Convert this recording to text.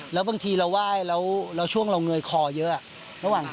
แล้วบางทีเราไหว้แล้วช่วงเราเงยคอเยอะ